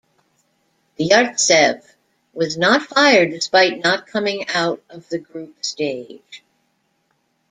Yartsev was not fired despite not coming out of the group stage.